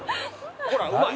ほらうまい。